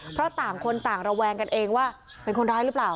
เพราะต่างคนต่างระแวงกันเองว่าเป็นคนร้ายหรือเปล่า